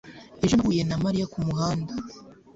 Ejo nahuye na Mariya kumuhanda